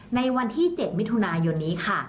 ในวันที่๗มิถุนายนนี้ค่ะ